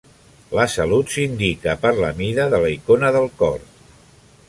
La salut s'indica per la mida de la icona del cor.